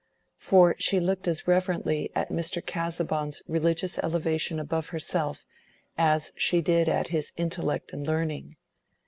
For she looked as reverently at Mr. Casaubon's religious elevation above herself as she did at his intellect and learning.